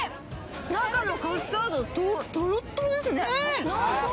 中のカスタード、とろっとろですね。